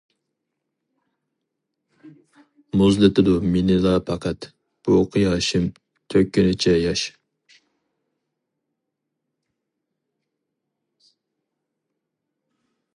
مۇزلىتىدۇ مېنىلا پەقەت، بۇ قۇياشىم تۆككىنىچە ياش.